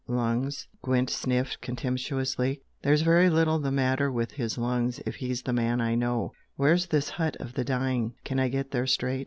Lungs?" Gwent sniffed contemptuously. "There's very little the matter with his lungs if he's the man I know! Where's this hut of the dying? Can I get there straight?"